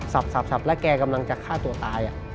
สับแล้วแกกำลังจะฆ่าตัวตาย